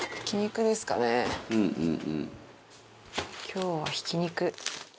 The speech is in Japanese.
今日はひき肉。